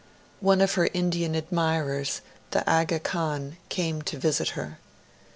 One of her Indian admirers, the Aga Khan, came to visit her.